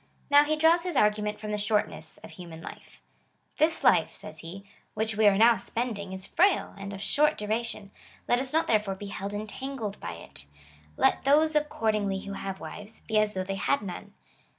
Now, he draws his argument from the shortness of human life :" This life/' says he, " which we are now spending is frail, and of short duration. Let us not therefore he held entangled by it. Let those accordingly who have wives, he as though they had none."